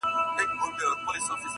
په ژړا ژړا یې وایستم له ښاره،